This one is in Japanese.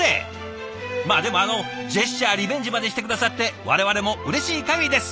まあでもジェスチャーリベンジまでして下さって我々もうれしいかぎりです。